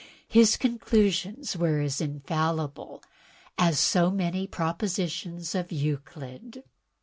His conclusions were as infallible as so many propositions of Euclid.